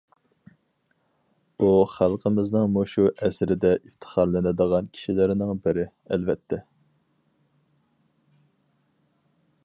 ئۇ خەلقىمىزنىڭ مۇشۇ ئەسىردە ئىپتىخارلىنىدىغان كىشىلىرىنىڭ بىرى، ئەلۋەتتە.